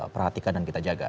perhatikan dan kita jaga